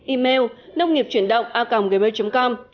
email nông nghiệpchuyendong com